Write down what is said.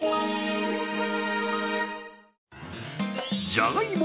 じゃがいも